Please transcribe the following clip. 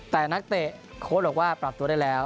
แต่นักเตะโค้ชบอกว่าปรับตัวได้แล้ว